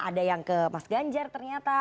ada yang ke mas ganjar ternyata